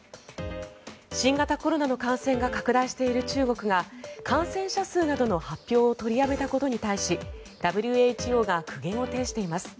新型コロナの感染が拡大している中国が感染者数などの発表を取りやめたことに対しＷＨＯが苦言を呈しています。